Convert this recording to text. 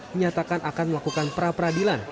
menyatakan akan melakukan pra peradilan